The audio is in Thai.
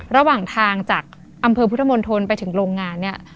ระหว่างทางจากอำเภอพุทธมนตรไปถึงโรงงานเนี่ย